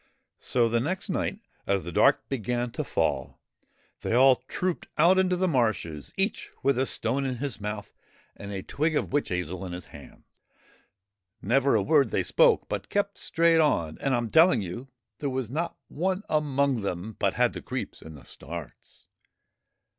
So the next night as the dark began to fall they all trooped out into the marshes, each with a stone in his mouth and a twig of the 12 THE BURIED MOON witch hazel in his hands. Never a word they spoke, but kept straight on ; and, I 'm telling you, there was not one among them but had the creeps and the starts.